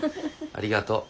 ありがとう。